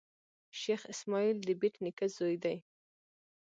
شېخ اسماعیل دبېټ نیکه زوی دﺉ.